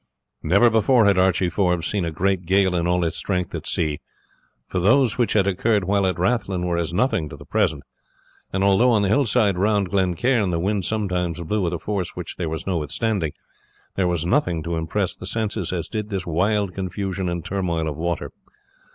Never before had Archie Forbes seen a great gale in all its strength at sea, for those which had occurred while at Rathlin were as nothing to the present; and although on the hillside round Glen Cairn the wind sometimes blew with a force which there was no withstanding, there was nothing to impress the senses as did this wild confusion and turmoil of water.